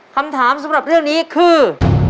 คำถามสำหรับเรื่องนี้คือ